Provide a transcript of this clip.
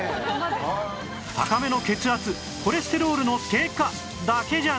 高めの血圧コレステロールの低下だけじゃない！